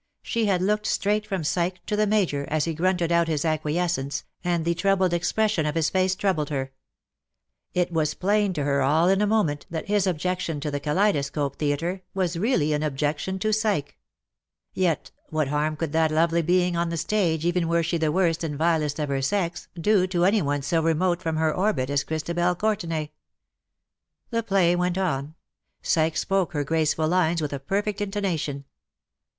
She had looked straight from Psyche to the Major, as he grunted out his acquiescence, and the troubled expression of his face troubled her. It was plain to her all in a moment that his objection to the Kaleidoscope Theatre was really an objection to Psyche. Yet what harm could that lovely being on the stage, even were she the worst and vilest of her sex, do to any one so remote from her orbit as Christabel Courtenay ? The play went on. Psyche spoke her graceful lines with a perfect intonation.